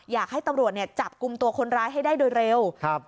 อยากให้ตำรวจเนี่ยจับกลุ่มตัวคนร้ายให้ได้โดยเร็วครับ